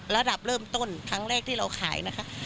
ระดับเริ่มต้นครั้งแรกที่เราขายนะคะ